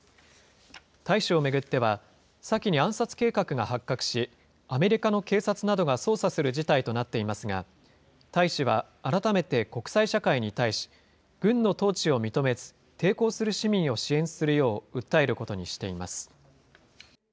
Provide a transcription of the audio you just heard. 大使を巡っては、先に暗殺計画が発覚し、アメリカの警察などが捜査する事態となっていますが、大使は改めて国際社会に対し、軍の統治を認めず、抵抗する市民を支援するよう訴えることにしています。